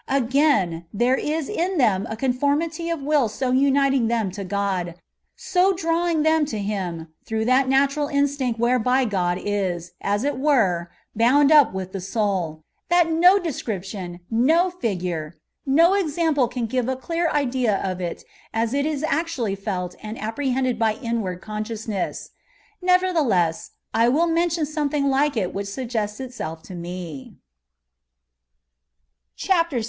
Again, there is in them a conformity of will so uniting them to God, so draying them to Him through that naturai instinct whereby God is, as it were, bound up with the soul, that no description, no figure, no example can givo a clear idea of it as it is actually felt and appre hended by inward consciousness ; nevertheless I will mention something like it which suggests itself to A TREATISE ON PUBGATORY. CHAPTER VI.